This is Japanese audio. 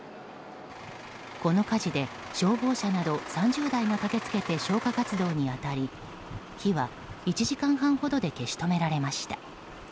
この火事で、消防車など３０台が駆け付けて消火活動に当たり火は１時間半ほどで消し止められました。